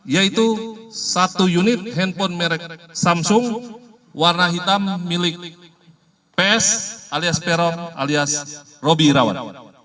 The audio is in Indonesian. yaitu satu unit handphone merek samsung warna hitam milik ps alias peron alias roby irawan